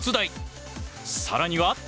更には。